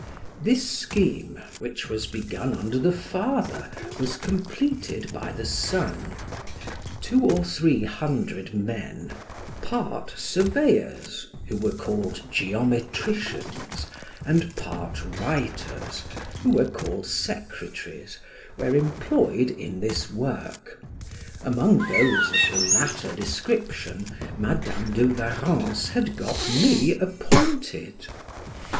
This scheme, which was begun under the father, was completed by the son: two or three hundred men, part surveyors, who were called geometricians, and part writers, who were called secretaries, were employed in this work: among those of the latter description Madam de Warrens had got me appointed.